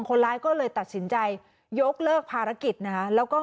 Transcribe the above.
คนร้ายก็ตัดสินใจยกเลิกภารกิจนะคะ